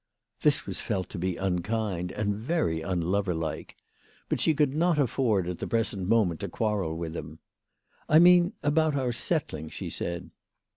This was felt to be unkind and very unloverlike. But she could not afford at the present moment to quarrel with him. " I mean about our settling," she said.